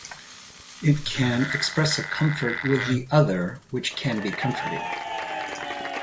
It can express a comfort with the other which can be comforting.